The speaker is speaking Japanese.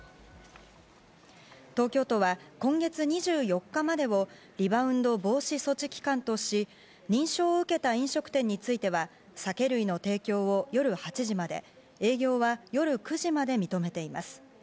東京都は今月２４日までをリバウンド防止措置期間とし認証を受けた飲食店については酒類の提供を夜８時まで営業は夜９時まで認めています。